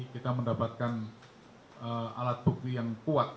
kita mendapatkan alat bukti yang kuat